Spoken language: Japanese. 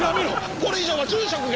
これ以上は住職が！